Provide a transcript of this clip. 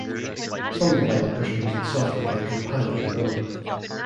Some developers are using software they compile on their own.